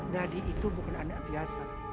nadi itu bukan anak biasa